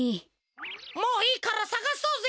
もういいからさがそうぜ！